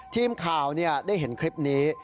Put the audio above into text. ทีมข่าวได้เห็นคลิปนี้